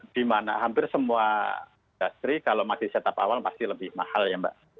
di mana hampir semua industri kalau masih setup awal pasti lebih mahal ya mbak